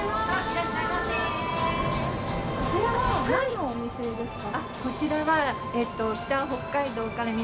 こちらは何のお店ですか？